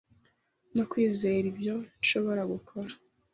no kwizera ibyo nshobora gukora